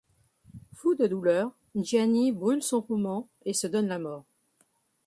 Fou de douleur, Gianni brûle son roman et se donne la mort.